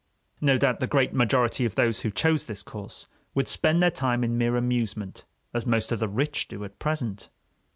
No doubt the great majority of those who chose this course would spend their time in mere amusement, as most of the rich do at present.